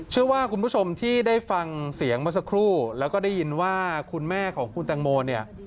เชื่อว่าคุณผู้ชมที่ได้ฟังเสียงเมื่อสักครู่แล้วก็ได้ยินว่าคุณแม่ของคุณตังโมเนี่ย